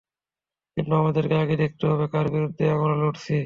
কিন্তু, আমাদেরকে আগে দেখতে হবে কার বিরুদ্ধে আমরা লড়ছি!